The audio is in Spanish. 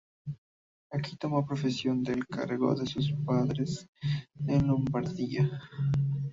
Aquí tomó posesión del cargo de sus padres en Lombardía.